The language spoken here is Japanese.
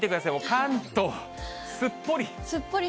関東、すっぽり。